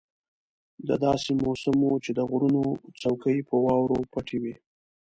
دا داسې موسم وو چې د غرونو څوکې په واورو پټې وې.